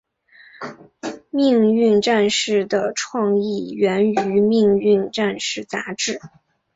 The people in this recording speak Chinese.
命运战士的创意源于命运战士杂志。